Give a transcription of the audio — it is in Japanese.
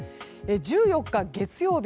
１４日月曜日